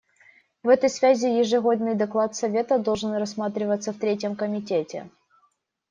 В этой связи ежегодный доклад Совета должен рассматриваться в Третьем комитете.